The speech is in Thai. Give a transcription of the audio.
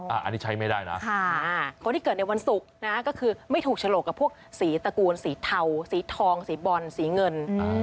อันนี้ใช้ไม่ได้นะคนที่เกิดในวันศุกร์นะก็คือไม่ถูกฉลกกับพวกสีตระกูลสีเทาสีทองสีบอลสีเงิน